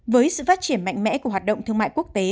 với sự phát triển mạnh mẽ của hoạt động thương mại quốc tế